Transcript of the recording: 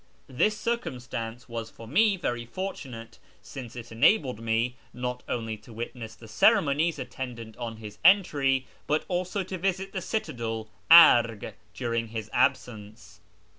This circumstance was for me very fortunate, since it enabled me not only to witness the ceremonies attendant on his entry, but |a.lso to visit the citadel i^Arg) during his absence.